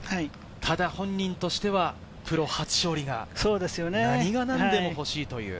ただ本人としてはプロ初勝利が何が何でも欲しいという。